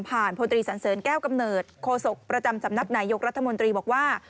พลตรีสันเสริญแก้วกำเนิดโคศกประจำสำนักนายยกรัฐมนตรีบอกว่า